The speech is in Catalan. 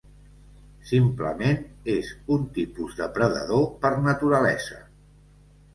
Simplement, és un tipus depredador per naturalesa.